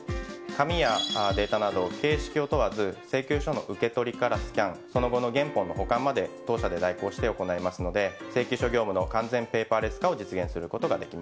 紙やデータなど形式を問わず請求書の受け取りからスキャンその後の原本の保管まで当社で代行して行いますので請求書業務の完全ペーパーレス化を実現することができます。